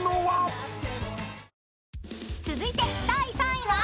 ［続いて第３位は？］